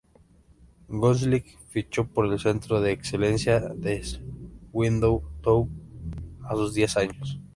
Gosling fichó por el Centro de Excelencia del Swindon Town a sus diez años.